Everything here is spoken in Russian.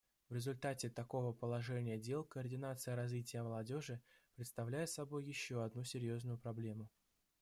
В результате такого положения дел координация развития молодежи представляет собой еще одну серьезную проблему.